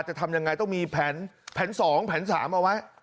จะทำยังไงต้องมีแผน๒แผน๓เอาไว้